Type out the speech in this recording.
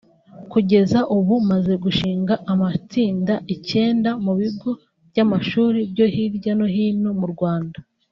Kugeza ubu umaze gushinga amatsinda icyenda mu bigo by’amashuri byo hirya no hino mu Rwanda